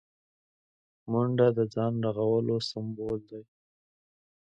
منډه د ځان رغولو سمبول دی